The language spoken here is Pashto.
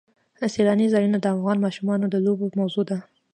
سیلانی ځایونه د افغان ماشومانو د لوبو موضوع ده.